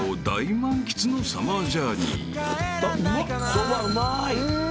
そばうまい。